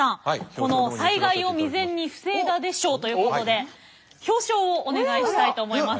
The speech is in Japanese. この「災害を未然に防いだで賞」ということで表彰をお願いしたいと思います。